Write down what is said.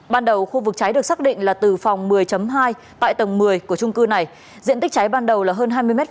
ban đầu khu vực cháy được xác định là từ phòng một mươi hai tại tầng một mươi của trung cư này diện tích cháy ban đầu là hơn hai mươi m hai